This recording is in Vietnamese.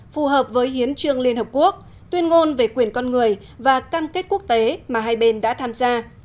phù hợp với hiến trương liên hợp quốc tuyên ngôn về quyền con người và cam kết quốc tế mà hai bên đã tham gia